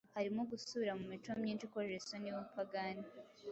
harimo ugusubira mu mico myinshi ikojeje isoni y’ubupagani.